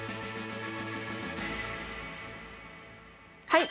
はい。